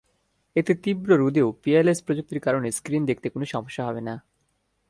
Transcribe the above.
এতে তীব্র রোদেও পিএলএস প্রযুক্তির কারণে স্ক্রিন দেখতে কোনো সমস্যা হবে না।